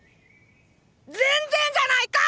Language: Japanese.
全然じゃないか！